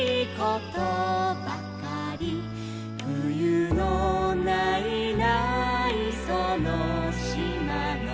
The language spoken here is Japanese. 「ふゆのないないそのしまの」